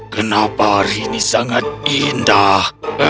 kenapa hari ini sangat indah